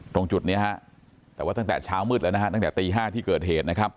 ตรงจุดนี้แต่ว่าตั้งแต่ช้าวมืดแล้วตั้งแต่ตี๕ที่เกิดเหตุ